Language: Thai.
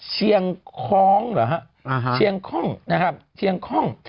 เชียงคล้องเหรอฮะเชียงคล่องนะครับเชียงคล่อง